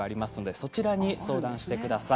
そちらに相談してください。